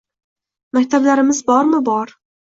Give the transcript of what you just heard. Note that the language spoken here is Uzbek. Maktablarimiz bormi – bor